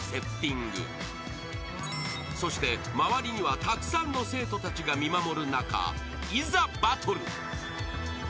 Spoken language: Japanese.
［そして周りにはたくさんの生徒たちが見守る中いざバトル］